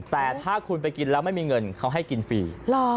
แต่ถ้าคุณไปกินแล้วไม่มีเงินเขาให้กินฟรี